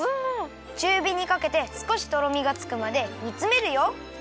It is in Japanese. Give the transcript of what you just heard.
ちゅうびにかけて少しとろみがつくまでにつめるよ。